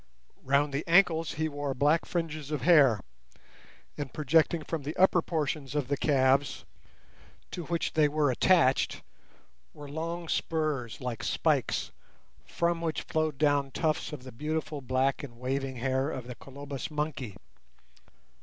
Round the ankles he wore black fringes of hair, and, projecting from the upper portion of the calves, to which they were attached, were long spurs like spikes, from which flowed down tufts of the beautiful black and waving hair of the Colobus monkey.